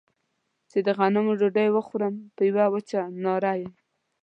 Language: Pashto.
چې د غنمو ډوډۍ وخورم په يوه وچه ناره يم.